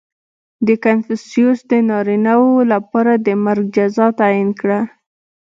• کنفوسیوس د نارینهوو لپاره د مرګ جزا تعیین کړه.